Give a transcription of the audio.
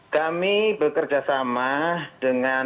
kami bekerjasama dengan